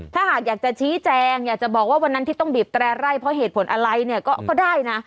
ถ้าหากอยากจะชี้แจงอยากจะบอกว่าวันนั้นที่ต้องบีบแตร่ไร่เพราะเหตุผลอะไรเนี่ยก็ได้นะ